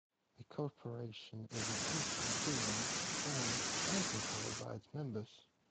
A corporation is, at least in theory, owned and controlled by its members.